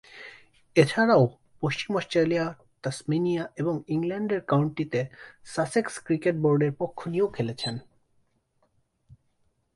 এছাড়াও, পশ্চিম Australia, Tasmania এবং ইংল্যান্ডের কাউন্টিতে সাসেক্স ক্রিকেট বোর্ডের পক্ষ নিয়েও খেলেছেন।